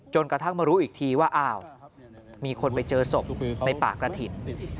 กระทั่งมารู้อีกทีว่าอ้าวมีคนไปเจอศพในป่ากระถิ่น